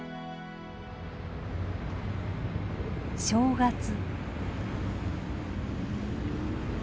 正月。